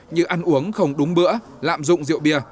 như ăn uống không đúng bữa lạm dụng rượu bia